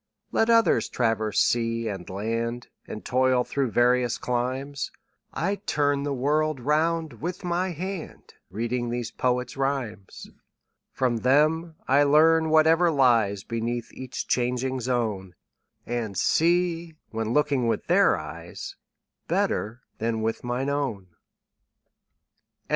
Let others traverse sea and land, And toil through various climes, 30 I turn the world round with my hand Reading these poets' rhymes. From them I learn whatever lies Beneath each changing zone, And see, when looking with their eyes, 35 Better than with mine own. H. W.